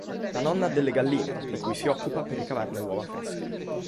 La nonna ha delle galline, di cui si occupa per ricavarne uova fresche.